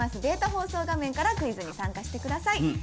データ放送画面からクイズに参加してください。